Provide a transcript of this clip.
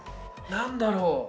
何だろう？